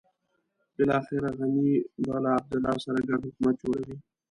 بلاخره غني به له عبدالله سره ګډ حکومت جوړوي.